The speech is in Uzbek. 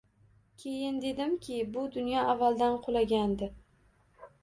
Keyin dedimki bu dunyo avvaldan qulagandi.